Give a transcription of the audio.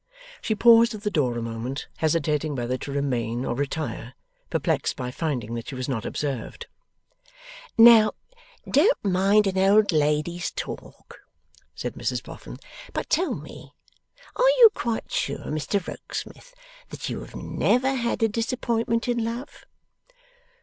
She paused at the door a moment, hesitating whether to remain or retire; perplexed by finding that she was not observed. 'Now, don't mind an old lady's talk,' said Mrs Boffin, 'but tell me. Are you quite sure, Mr Rokesmith, that you have never had a disappointment in love?